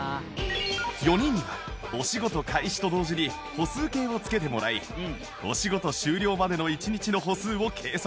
４人にはお仕事開始と同時に歩数計を付けてもらいお仕事終了までの１日の歩数を計測。